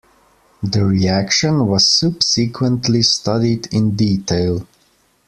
The reaction was subsequently studied in detail.